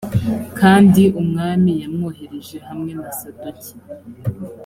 kandi umwami yamwohereje hamwe na sadoki